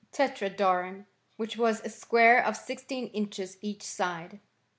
Tetradoron, which was a square of 16 inehes each side.